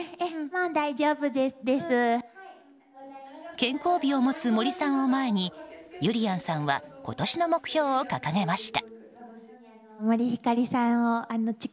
健康美を持つ森さんを前にゆりやんさんは今年の目標を掲げました。